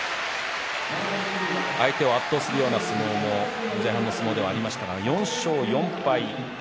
相手を圧倒するような相撲も前半の相撲ではありましたが４勝４敗。